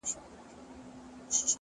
پر ځان کار کول غوره پانګونه ده,